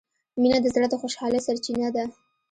مینه د زړه د خوشحالۍ سرچینه ده.